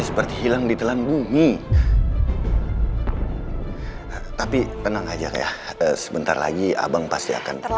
secara berdasarkan ujeni pinjaman bisaee